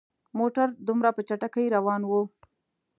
موټر دومره په چټکۍ روان وو.